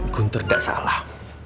guntur gak salah